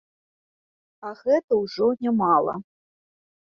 А гэта ўжо нямала.